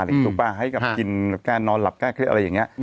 ถูกปะให้กลับกินกล้านอนหลับกล้านเครียดอะไรอย่างนี้